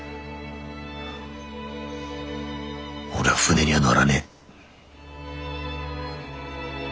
俺は船には乗らねえ。